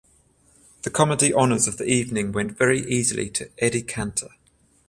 The comedy honors of the evening went very easily to Eddie Cantor.